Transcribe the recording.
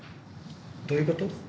どういうこと？